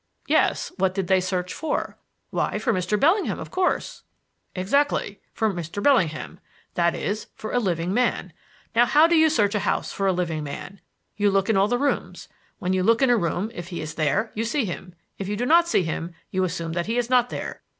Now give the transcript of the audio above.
"Yes. What did they search for?" "Why, for Mr. Bellingham, of course." "Exactly; for Mr. Bellingham. That is, for a living man. Now how do you search a house for a living man? You look in all the rooms. When you look in a room if he is there, you see him; if you do not see him, you assume that he is not there.